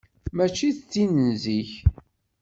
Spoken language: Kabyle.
Mačči d tin zik.